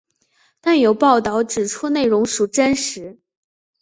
但有报导指出内容属真实。